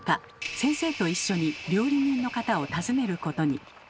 先生と一緒に料理人の方を訪ねることに。